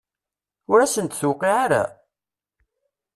Ur asent-d-tuqiɛ ara?